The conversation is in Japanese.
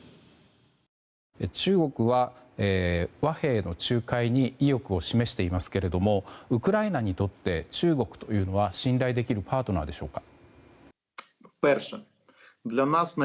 中国は和平の仲介に意欲を示していますけれどもウクライナにとって中国は信頼できるパートナーでしょうか。